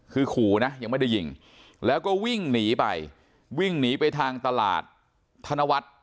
คือขู่นะยังไม่ได้ยิงแล้วก็วิ่งหนีไปวิ่งหนีไปทางตลาดธนวัฒน์